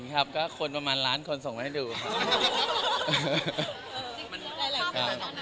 ครับครับก็ได้เห็นครับก็คนประมาณล้านคนส่งมาให้ดูครับ